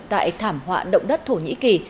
tại thảm họa động đất thổ nhĩ kỳ